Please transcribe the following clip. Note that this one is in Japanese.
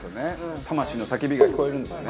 魂の叫びが聞こえるんですよね。